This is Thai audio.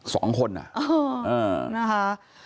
สองคนอ่ะเออนะคะ